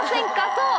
そう！